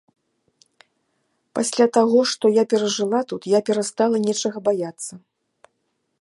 Пасля таго, што я перажыла тут, я перастала нечага баяцца.